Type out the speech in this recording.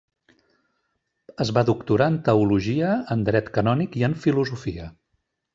Es va doctorar en teologia, en dret canònic i en filosofia.